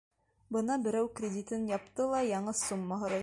Бына берәү кредитын япты ла яңы сумма һорай.